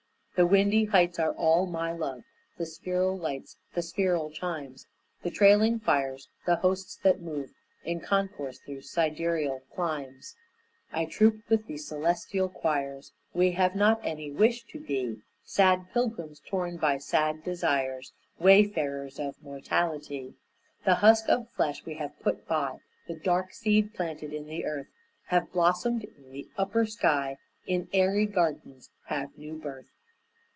The windy heights are all my love, The spheral lights, the spheral chimes, The trailing fires, the hosts that move In concourse through sidereal climes; I troop with the celestial choirs; We have not any wish to be Sad pilgrims, torn by sad desires, Wayfarers of mortality. The husk of flesh we have put by; The dark seeds planted in the earth Have blossomed in the upper sky, In airy gardens have new birth."